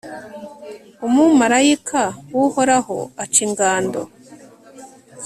umumalayika w'uhoraho aca ingando